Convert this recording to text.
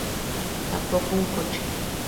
Tampoco un coche.